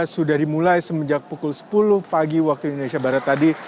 sudah dimulai semenjak pukul sepuluh pagi waktu indonesia barat tadi